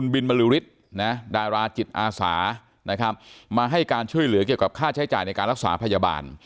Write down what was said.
บินบริษฏนะฮะให้การช่วยเหลือกับค่าใช้จ่ายในการรักษาพยาบาล